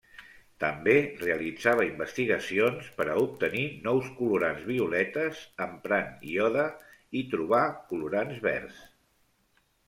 També realitzava investigacions per a obtenir nous colorants violetes emprant iode i trobà colorants verds.